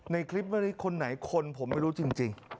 ในคลิปเมื่อกี้คนไหนคนผมไม่รู้จริง